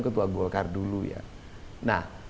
ketua golkar dulu ya nah